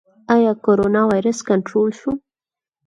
آیا کرونا ویروس کنټرول شو؟